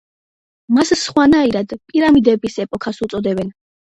მას სხვანაირად პირამიდების ეპოქას უწოდებენ.